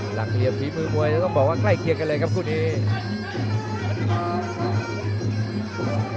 หลังเรียบทีมือมวยต้องบอกว่าใคร่เคียงกันเลยครับคุณเนธ